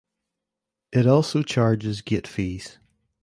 It also charges gate fees.